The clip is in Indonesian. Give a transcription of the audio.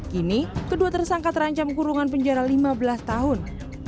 kini kedua tersangka terancam kurungan penjara lima belas tahun